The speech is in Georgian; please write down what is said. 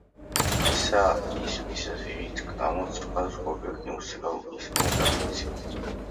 ესაა ის მიზეზი, რის გამოც სხვადასხვა ობიექტი მუსიკალურ ინსტრუმენტად იქცევა.